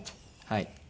はい。